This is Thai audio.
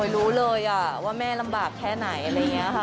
รู้เลยว่าแม่ลำบากแค่ไหน